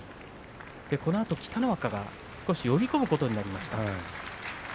このあと北の若が少し呼び込むことになりました。